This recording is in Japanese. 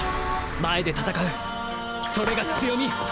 前で戦うそれが強み。